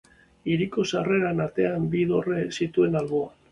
Hiriko sarrera ateak bi dorre zituen alboan.